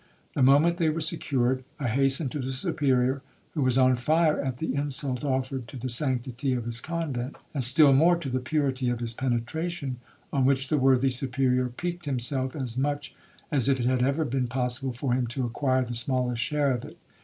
The moment they were secured, I hastened to the Superior, who was on fire at the insult offered to the sanctity of his convent, and still more to the purity of his penetration, on which the worthy Superior piqued himself as much as if it had ever been possible for him to acquire the smallest share of it.